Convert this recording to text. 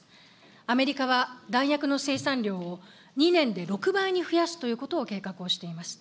アメリカは、弾薬の生産量を２年で６倍に増やすということを計画をしています。